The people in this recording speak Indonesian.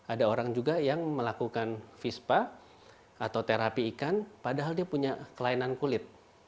ada orang juga yang melakukan vespa atau terapi ikan padahal dia punya kelainan kulit